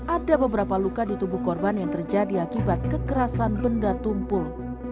ada beberapa luka di tubuh korban yang terjadi akibat kekerasan benda tumpul